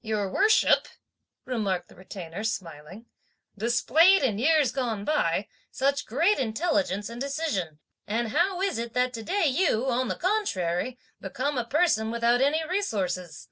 "Your worship," remarked the Retainer smiling, "displayed, in years gone by, such great intelligence and decision, and how is it that today you, on the contrary, become a person without any resources!